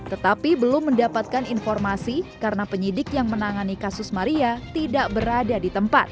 tetapi belum mendapatkan informasi karena penyidik yang menangani kasus maria tidak berada di tempat